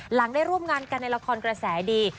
หลังได้ร่วมงานกันในละครกระแสดี